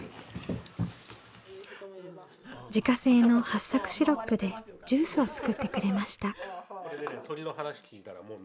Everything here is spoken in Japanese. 自家製のはっさくシロップでジュースを作ってくれました。